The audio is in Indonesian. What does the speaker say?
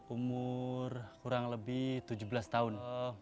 umur kurang lebih tujuh belas tahun